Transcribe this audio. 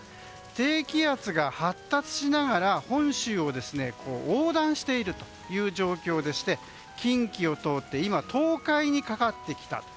低気圧が発達しながら本州を横断している状況でして近畿を通って東海にかかってきたと。